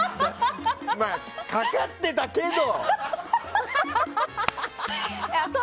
かかってたけど！